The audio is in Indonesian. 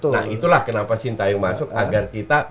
nah itulah kenapa sintayong masuk agar kita